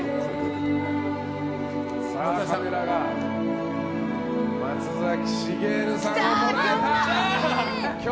カメラが松崎しげるさんを捉えた。